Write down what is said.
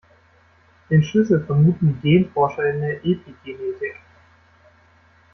Den Schlüssel vermuten die Genforscher in der Epigenetik.